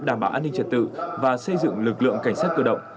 đảm bảo an ninh trật tự và xây dựng lực lượng cảnh sát cơ động